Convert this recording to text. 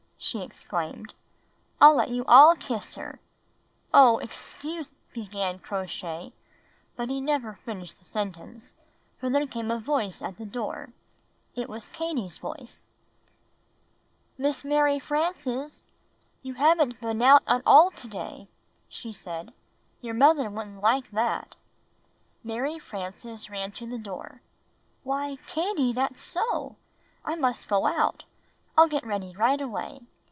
she exclaimed. "I'll let you all kiss her." "Oh, excuse —!" began Crow Shay, but he never finished the sentence, for there came a voice at the door. It was Katie's voice. ''Boea^n't ike io€)k \^>vq. ^etl" Mary Marie's Turban 103 "Miss Mary Frances! You haven't been out at all to day!" she said. "Your mother wouldn't like that." Mary Frances ran to the door. "Why, Katie, that's so! I must go out. I'll get ready right away.